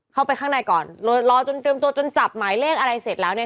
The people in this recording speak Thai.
เข้าไปข้างในก่อนรอจนเตรียมตัวจนจับหมายเลขอะไรเสร็จแล้วเนี่ย